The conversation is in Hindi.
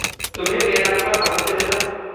तुम्हें मेरा नंबर कहाँ से मिला?